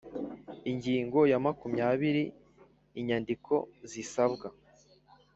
Ingingo ya makumyabiri Inyandiko zisabwa